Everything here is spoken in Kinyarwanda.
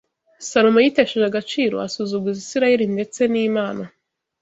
Salomo yitesheje agaciro, asuzuguza Isirayeli ndetse n’Imana.